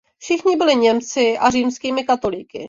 Všichni byli Němci a římskými katolíky.